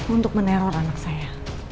untuk meneror anak saya